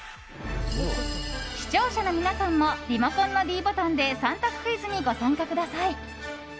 視聴者の皆さんもリモコンのｄボタンで３択クイズにご参加ください。